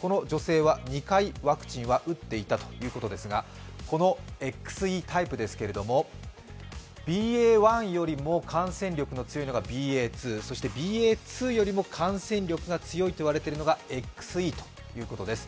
この女性は２回ワクチンは打っていたということですがこのＸＥタイプですけどＢＡ．１よりも感染力が強いのがＢＡ．２、そしてＢＡ．２よりも感染力が強いと言われているのがＸＥということです。